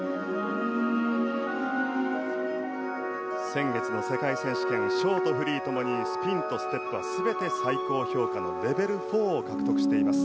先月の世界選手権ショートフリーともにスピンとステップは全て最高評価のレベル４を獲得しています。